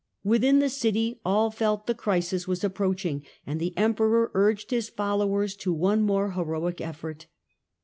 Within the city all felt the crisis was approaching, and the Emperor urged his followers to one more heroic effort.